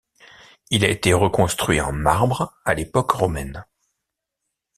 Il a été reconstruit en marbre à l'époque romaine.